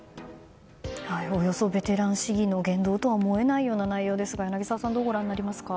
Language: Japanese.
およそベテラン市議の言動とは思えない内容ですが柳澤さん、どうご覧になりますか。